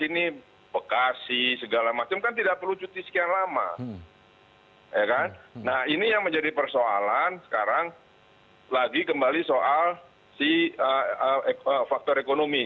nah ini yang menjadi persoalan sekarang lagi kembali soal si faktor ekonomi